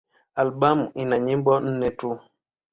Albamu ina nyimbo nne tu.